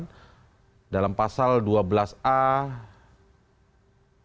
dan ini adalah perlindungan terhadap saksi dan korban